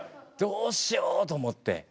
どうしようと思って。